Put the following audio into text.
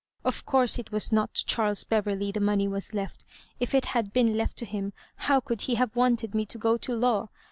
Of course it was not to Charles Be ver^ ley the money was lefi; : if it had been left to him, how could he have wanted me to go to law